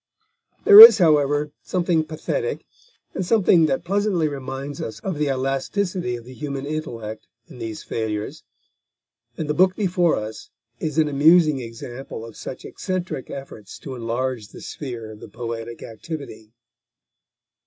There is, however, something pathetic, and something that pleasantly reminds us of the elasticity of the human intellect in these failures; and the book before us is an amusing example of such eccentric efforts to enlarge the sphere of the poetic activity.